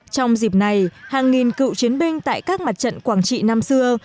trong dịp này hàng nghìn cựu chiến binh tại các mặt trận quảng trị năm xưa